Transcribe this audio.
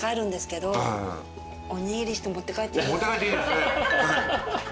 持って帰っていいです。